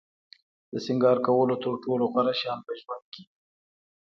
د سینگار کولو تر ټولو غوره شیان په ژوند کې.